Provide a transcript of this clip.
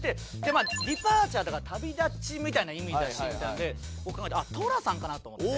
まあ「Ｄｅｐａｒｔｕｒｅ」だから「旅立ち」みたいな意味だしみたいなので僕考えて寅さんかなと思って。